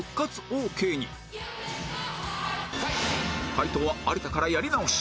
解答は有田からやり直し